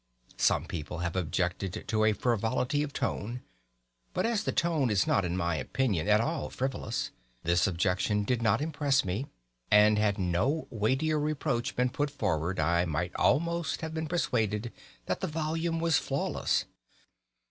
Some people have objected to a frivolity of tone; but as the tone is not, in my opinion, at all frivolous, this objection did not impress me; and had no weightier reproach been put forward I might almost have been persuaded that the volume was flawless!